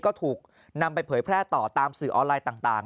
ก็ถูกนำไปเผยแพร่ต่อตามสื่อออนไลน์ต่าง